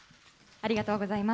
ありがとうございます。